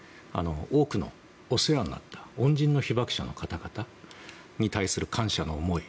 多くの、お世話になった恩人の被爆者の方々に対する感謝の思い。